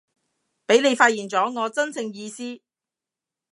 畀你發現咗我真正意思